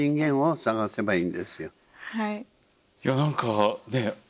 いや何かね